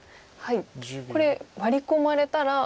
これワリ込まれたら。